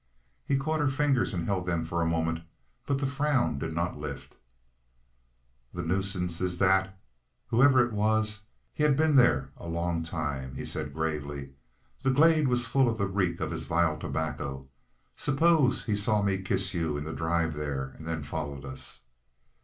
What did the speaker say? He caught her fingers and held them for a moment, but the frown did not lift. "The nuisance is that, whoever it was, he had been there a long time," he said gravely. "The glade was full of the reek of his vile tobacco. Suppose he saw me kiss you in the drive here and then followed us?"